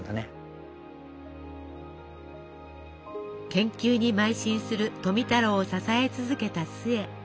研究にまい進する富太郎を支え続けた壽衛。